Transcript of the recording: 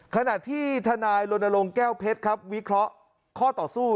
ขณะที่ทนายรณรงค์แก้วเพชรครับวิเคราะห์ข้อต่อสู้